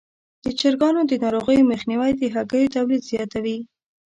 د چرګانو د ناروغیو مخنیوی د هګیو تولید زیاتوي.